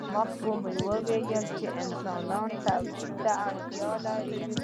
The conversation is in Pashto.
مخکې مو وویل چې انسانان تولید ته اړتیا لري.